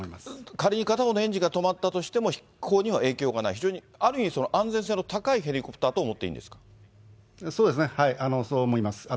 仮に片方のエンジンが止まったとしても、飛行には影響がない、非常にある意味、安全性の高いヘリコプターと思っていいんですかそうですね、そう思います。